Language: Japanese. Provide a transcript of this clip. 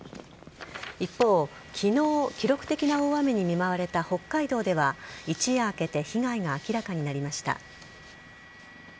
一方、昨日記録的な大雨に見舞われた北海道では一夜明けて被害が明らかになりました。